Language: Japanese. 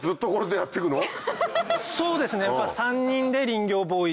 そうですねやっぱ。